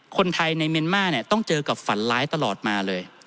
คนไทยในเมนมาต้องเจอกับฝันร้ายตลอดมาเลย